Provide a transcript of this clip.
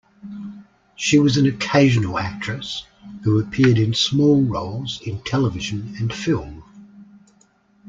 She was an occasional actress who appeared in small roles in television and film.